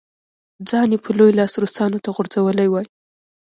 ځان یې په لوی لاس روسانو ته غورځولی وای.